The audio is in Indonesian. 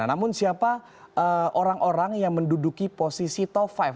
namun siapa orang orang yang menduduki posisi top lima